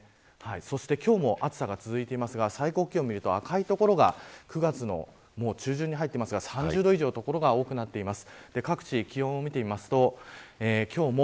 そして、今日も暑さが続いていますが最高気温を見ると、赤い所が９月の中旬に入っていますが３０度以上の所が多くなっています。